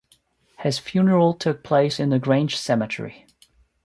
His funeral took place in the Grange cemetery.